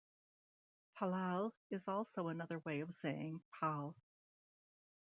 Palal is also another way of saying Pal.